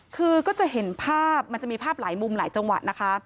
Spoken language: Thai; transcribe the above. คือก็จะเห็นภาพมันจะมีภาพหลายมุมหลายจังหวะนะคะ